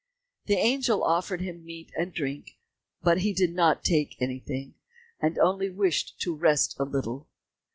The angel offered him meat and drink, but he did not take anything, and only wished to rest a little.